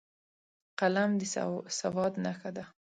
قلم د سواد نښه ده